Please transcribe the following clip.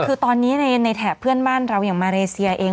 คือตอนนี้ในแถบเพื่อนบ้านเราอย่างมาเลเซียเอง